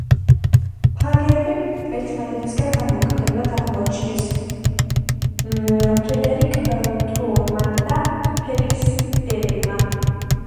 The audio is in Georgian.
ფაგები ერთმანეთისგან დამოუკიდებლად აღმოაჩინეს ფრედერიკ ტუორტმა და ფელიქს დერელმა